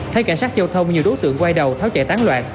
thấy cả sát châu thông nhiều đối tượng quay đầu tháo chạy tán loạn